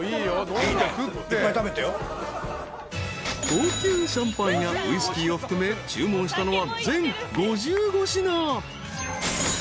［高級シャンパンやウイスキーを含め注文したのは全５５品］